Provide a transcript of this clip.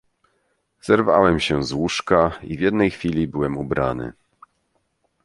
"Zerwałem się z łóżka i w jednej chwili byłem ubrany."